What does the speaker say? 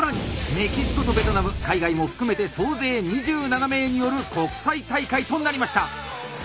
メキシコとベトナム海外も含めて総勢２７名による国際大会となりました！